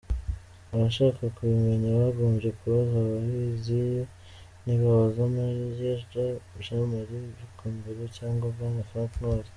Abashaka kubimenya bagombye kubaza ababizi, ntibabaze Major Jean Marie Micombero cyangwa Bwana Frank Ntwali.